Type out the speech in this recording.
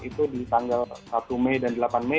itu di tanggal satu mei dan delapan mei